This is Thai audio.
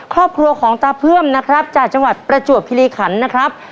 ครอบครัวของตาเพื่อมนะครับจากจังหวัดประจวบคิริขันนะครับ